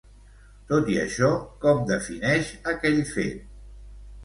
Tot i això, com defineix aquell fet?